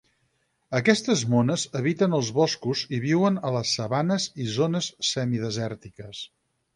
Aquestes mones eviten els boscos i viuen a les sabanes i zones semidesèrtiques.